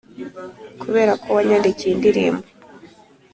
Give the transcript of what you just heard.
kuberako wanyandikiye indirimbo.